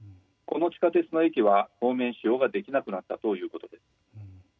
この地下鉄の駅は当面使用ができなくなったということです。